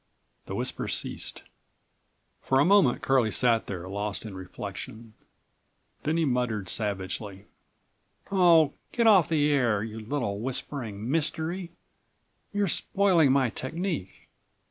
The whisper ceased. For a moment Curlie sat there lost in reflection, then he muttered savagely: "Oh! get off the air, you little whispering mystery, you're spoiling my technique.